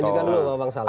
lanjutkan dulu bang saleh